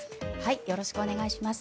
よろしくお願いします。